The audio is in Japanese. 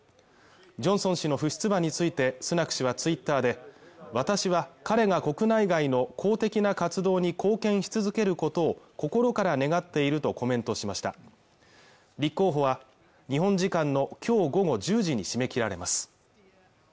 ジョンソン氏の不出馬についてスナク氏はツイッターで私は彼が国内外の公的な活動に貢献し続けることを心から願っているとコメントしました立候補は日本時間のきょう午後１０時に締め切られます